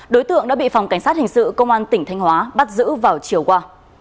đối tượng đã bị phòng cảnh sát hình sự công an tỉnh thanh hóa bắt giữ vào chiều qua